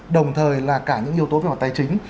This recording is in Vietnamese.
đồng thời là cả những yếu tố về mặt tài chính